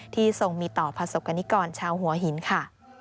ที่ทรงมีต่อผสกกรณิกรชาวหัวหินค่ะ